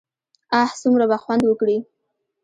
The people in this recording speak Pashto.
اه څومره به خوند وکړي.